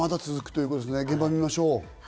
現場を見ましょう。